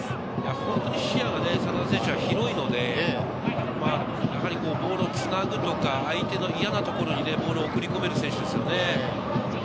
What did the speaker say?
本当に、視野が真田選手は広いので、ボールをつなぐとか相手の嫌なところにボールを送り込める選手ですよね。